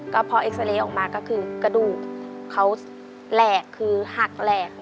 ก็พอเอ็กซาเรย์ออกมาก็คือกระดูกเขาแหลกคือหักแหลก